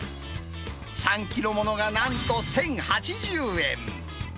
３キロものがなんと１０８０円。